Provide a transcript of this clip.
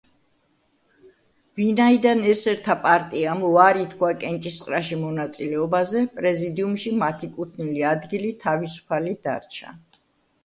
ვინაიდან ესერთა პარტიამ უარი თქვა კენჭისყრაში მონაწილეობაზე, პრეზიდიუმში მათი კუთვნილი ადგილი თავისუფალი დარჩა.